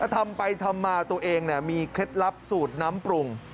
ทำไปทำมาตัวเองมีเคล็ดลับสูตรน้ำปรุง